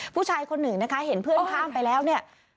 ผู้ชายคนหนึ่งนะคะเห็นเพื่อนข้ามไปแล้วเนี่ย